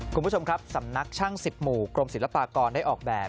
คุณผู้ชมครับสำนักช่าง๑๐หมู่กรมศิลปากรได้ออกแบบ